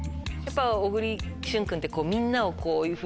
小栗旬君ってみんなをこういうふうに。